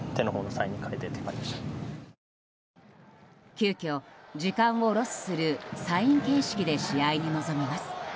急きょ、時間をロスするサイン形式で試合に臨みます。